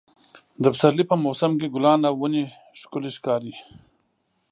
د پسرلي په موسم کې ګلان او ونې ښکلې ښکاري.